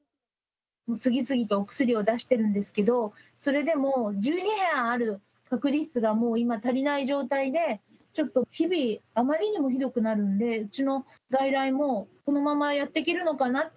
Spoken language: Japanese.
次々とお薬を出してるんですけど、それでも１２部屋ある隔離室が、もう今、足りない状態で、ちょっと日々、あまりにもひどくなるんで、うちの外来も、このままやってけるのかな？